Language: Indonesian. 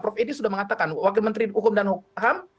prof edi sudah mengatakan wakil menteri hukum dan ham